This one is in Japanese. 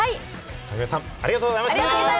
影山さん、ありがとうございました。